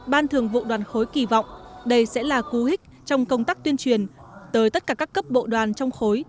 ban thường vụ đoàn khối kỳ vọng đây sẽ là cú hích trong công tác tuyên truyền tới tất cả các cấp bộ đoàn trong khối